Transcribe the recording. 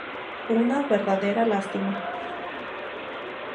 Una verdadera lástima".